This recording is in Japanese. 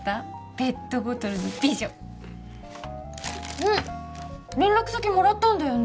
ペットボトルの美女連絡先もらったんだよね？